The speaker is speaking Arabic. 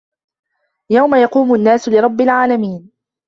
يَومَ يَقومُ النّاسُ لِرَبِّ العالَمينَ